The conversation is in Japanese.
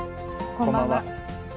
こんばんは。